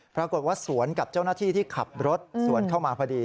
ปรากฏว่าสวนกับเจ้าหน้าที่ที่ขับรถสวนเข้ามาพอดี